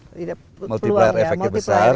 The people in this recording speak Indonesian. peluangnya multiplier efeknya besar